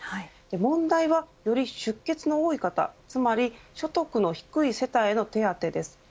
問題は、より出血の多い方つまり所得の低い世帯への手当です。